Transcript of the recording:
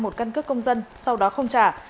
một căn cước công dân sau đó không trả